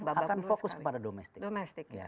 akan fokus kepada domestik